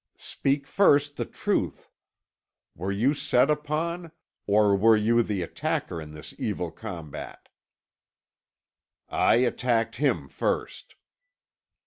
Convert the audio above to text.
"Speak first the truth. Were you set upon, or were you the attacker in this evil combat?" "I attacked him first."